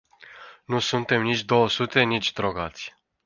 Nu suntem nici două sute, nici drogați.